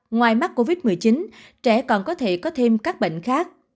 ngoài mắc covid một mươi chín trẻ còn có thể có thêm các bệnh khác